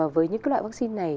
với những loại vaccine này